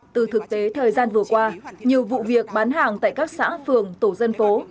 từ thực tế thời gian vừa qua nhiều vụ việc bán hàng tại các xã phường tổ dân phố